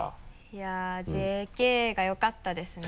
いやぁＪＫがよかったですね。